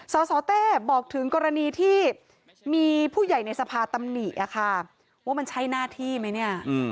สสเต้บอกถึงกรณีที่มีผู้ใหญ่ในสภาตำหนิค่ะว่ามันใช่หน้าที่ไหมเนี่ย